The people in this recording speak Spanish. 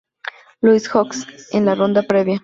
Louis Hawks, en la ronda previa.